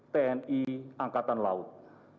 tni angkatan laut